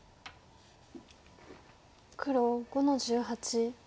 黒５の十八。